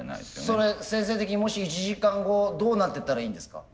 それ先生的にもし１時間後どうなってたらいいんですか？